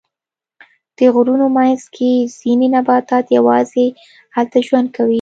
د غرونو منځ کې ځینې نباتات یواځې هلته ژوند کوي.